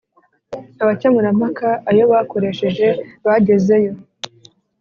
abakemurampaka ayo bakoresheje bagezeyo